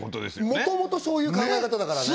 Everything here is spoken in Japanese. もともとそういう考え方だからね。